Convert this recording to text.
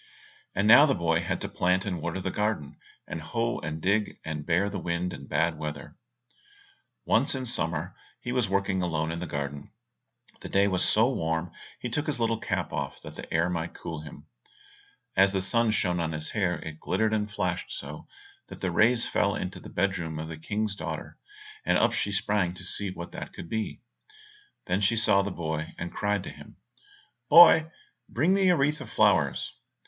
And now the boy had to plant and water the garden, hoe and dig, and bear the wind and bad weather. Once in summer when he was working alone in the garden, the day was so warm he took his little cap off that the air might cool him. As the sun shone on his hair it glittered and flashed so that the rays fell into the bed room of the King's daughter, and up she sprang to see what that could be. Then she saw the boy, and cried to him, "Boy, bring me a wreath of flowers."